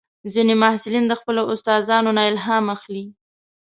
ځینې محصلین د خپلو استادانو نه الهام اخلي.